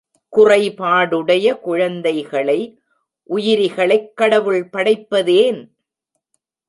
குறைபாடுடைய குழந்தைகளை உயிரிகளைக் கடவுள் படைப்பதேன்?